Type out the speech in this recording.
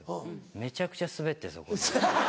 めちゃくちゃスベってそこで。